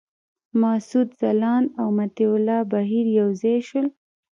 مسعود ځلاند او مطیع الله بهیر یو ځای شول.